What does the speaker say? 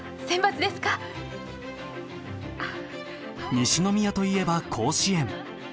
西宮といえば甲子園。